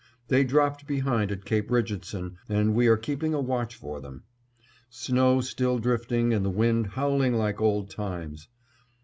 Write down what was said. They dropped behind at Cape Richardson and we are keeping a watch for them. Snow still drifting and the wind howling like old times.